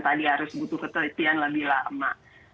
tadi harus butuh ketelitian lebih lama